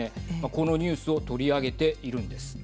このニュースを取り上げているんです。